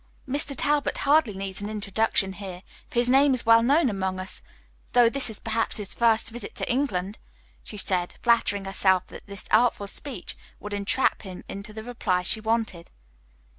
"Mr. Talbot hardly needs an introduction here, for his name is well known among us, though this is perhaps his first visit to England?" she said, flattering herself that this artful speech would entrap him into the reply she wanted.